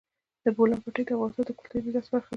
د بولان پټي د افغانستان د کلتوري میراث برخه ده.